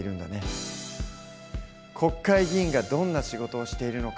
国会議員がどんな仕事をしているのか